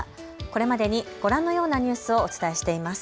これまでにご覧のようなニュースをお伝えしています。